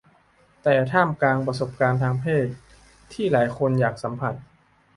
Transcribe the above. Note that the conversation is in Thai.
แต่ท่ามกลางประสบการณ์ทางเพศที่หลายคนอยากสัมผัส